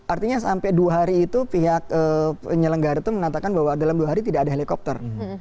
artinya sampai dua hari itu pihak penyelenggara itu mengatakan bahwa dalam dua hari tidak ada helikopter